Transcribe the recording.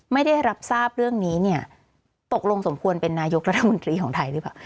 ไม่ได้รับทราบเรื่องนี้เนี่ยตกลงสมควรเป็นนายกรัฐมนตรีของไทยหรือเปล่า